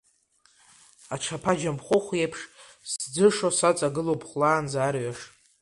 Аҽаԥа Џьамхәыхә иеиԥш, сӡышо, саҵагылоуп хәлаанӡа арҩаш.